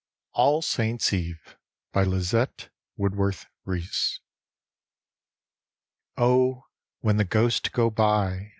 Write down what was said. ALL SAINTS' EVE: lizbtte woodworth rbesb Oh, when the ghosts go by.